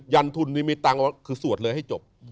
ยันทุนนิมิตรตังควรสวดให้จบ